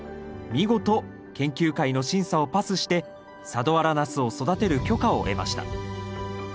見事研究会の審査をパスして佐土原ナスを育てる許可を得ました。